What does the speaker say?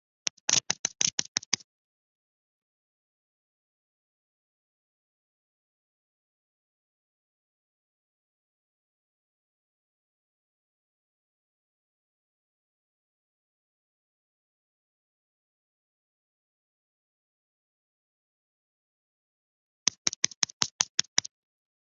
迈耶狸藻为狸藻属似多年中型食虫植物。